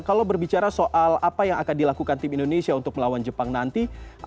kalau berbicara soal apa yang akan dilakukan tim indonesia untuk melawan jepang nanti